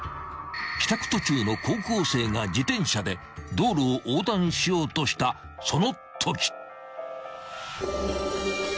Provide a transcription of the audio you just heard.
［帰宅途中の高校生が自転車で道路を横断しようとしたそのとき］